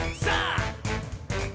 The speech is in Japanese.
さあ！